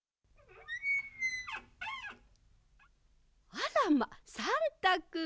あらまさんたくん。